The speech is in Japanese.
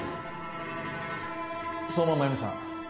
相馬真弓さん。